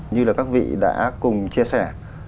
như là các vị đã cùng chia sẻ